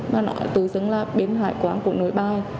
mà nói tự dưng là bên hải quan cũng nối bài